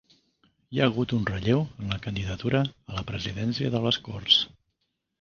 Hi ha hagut un relleu en la candidatura a la presidència de les Corts